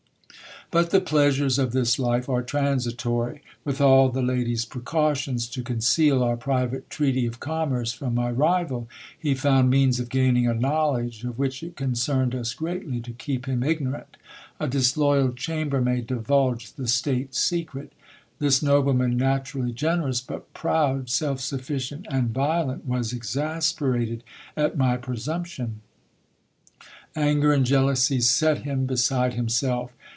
But the pleasures of this life are transitory. With all the lady's precautions to conceal our private treaty of commerce from my rival, he found means of gaining a knowledge, of which it concerned us greatly to keep him ignorant : a disloyal chamber maid divulged the state secret. This nobleman, naturally generous, but proud, self sufficient, and violent, was exasperated at my pre sumption. Anger and jealousy set him beside himself.